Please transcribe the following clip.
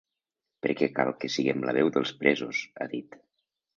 Perquè cal que siguem la veu dels presos, ha dit.